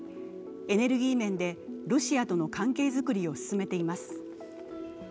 エネルギー面でロシアとの関係づくりを進めています。